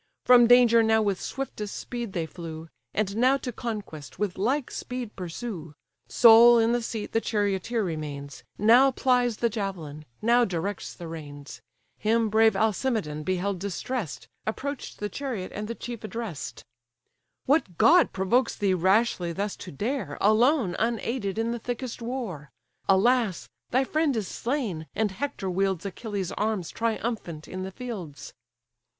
From danger now with swiftest speed they flew, And now to conquest with like speed pursue; Sole in the seat the charioteer remains, Now plies the javelin, now directs the reins: Him brave Alcimedon beheld distress'd, Approach'd the chariot, and the chief address'd: "What god provokes thee rashly thus to dare, Alone, unaided, in the thickest war? Alas! thy friend is slain, and Hector wields Achilles' arms triumphant in the fields."